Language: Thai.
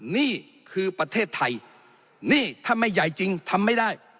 นี่คือประเทศไทยนี่ถ้าไม่ใหญ่จริงทำไม่ได้